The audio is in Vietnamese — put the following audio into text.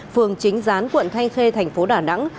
phường chính gián quận thanh khê tp đà nẵng